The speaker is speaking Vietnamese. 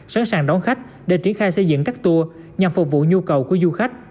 sẵn sàng đón khách để triển khai xây dựng các tour nhằm phục vụ nhu cầu của du khách